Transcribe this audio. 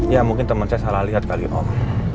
ya mungkin temen saya salah liat kali om